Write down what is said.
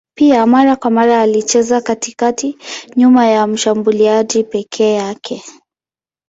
Pia mara kwa mara alicheza katikati nyuma ya mshambuliaji peke yake.